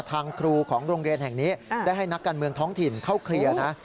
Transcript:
ทางครูของโรงเรียนแห่งนี้ได้ให้นักการเมืองท้องถิ่นเข้าเคลียร์นะ